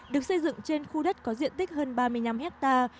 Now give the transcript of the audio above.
được xây dựng trên khu đất có diện tích hơn ba mươi năm hectare